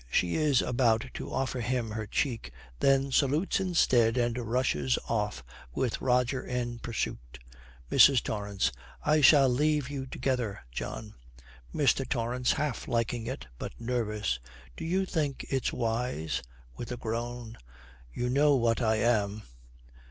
She is about to offer him her cheek, then salutes instead, and rushes off, with Roger in pursuit. MRS. TORRANCE. 'I shall leave you together, John.' MR. TORRANCE, half liking it, but nervous, 'Do you think it's wise?' With a groan, 'You know what I am.'